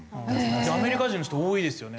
アメリカ人の人多いですよねなんか。